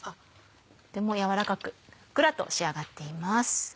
とても軟らかくふっくらと仕上がっています。